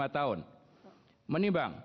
lima tahun menimbang